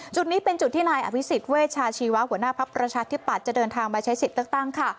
จุดนี้เป็นจุดที่นายอภิษฎเวชาชีวะหัวหน้าภักดิ์ประชาธิปัตย์จะเดินทางมาใช้สิทธิ์เลือกตั้งค่ะ